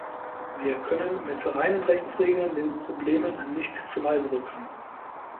Wir können mit reinen Rechtsregeln den Problemen nicht zuleibe rücken.